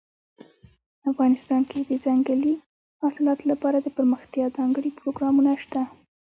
افغانستان کې د ځنګلي حاصلاتو لپاره دپرمختیا ځانګړي پروګرامونه شته.